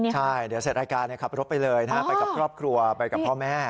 ใช่เดี๋ยวเสร็จรายการขับรถไปเลยไปกับครอบครัวไปกับพ่อแม่